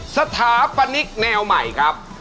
สถาปนิกแนวใหม่ครับ